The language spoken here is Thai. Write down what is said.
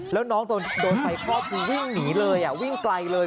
แล้วน้องโดนไฟคลอกคือวิ่งหนีเลยวิ่งไกลเลย